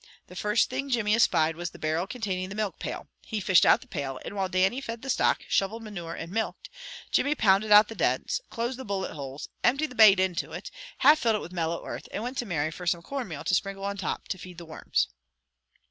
The first thing Jimmy espied was the barrel containing the milk pail. He fished out the pail, and while Dannie fed the stock, shoveled manure, and milked, Jimmy pounded out the dents, closed the bullet holes, emptied the bait into it, half filled it with mellow earth, and went to Mary for some corn meal to sprinkle on the top to feed the worms.